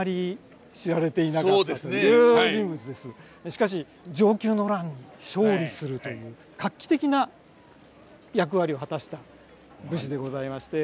しかし承久の乱で勝利するという画期的な役割を果たした武士でございまして。